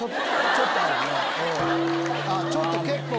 ちょっと結構。